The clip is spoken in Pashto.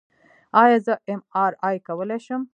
ایا زه ایم آر آی کولی شم؟